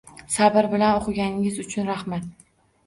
Sabr bilan o’qiganingiz uchun raxmat